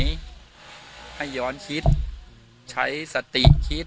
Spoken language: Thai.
วันนี้ก็จะเป็นสวัสดีครับ